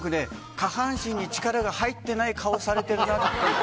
下半身に力が入っていない顔をされてるなって。